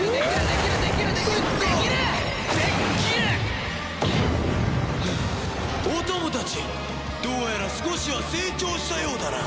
お供たちどうやら少しは成長したようだな。